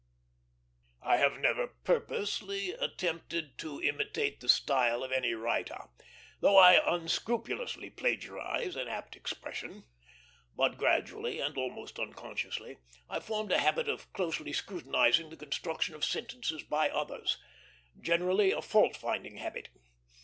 I have never purpose attempted to imitate the style of any writer, though I unscrupulously plagiarize an apt expression. But gradually, and almost unconsciously, I formed a habit of closely scrutinizing the construction of sentences by others; generally a fault finding habit.